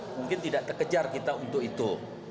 mungkin tidak terkejar kita untuk itu